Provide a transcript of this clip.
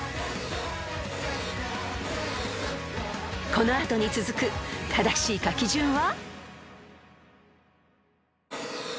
［この後に続く正しい書き順は？］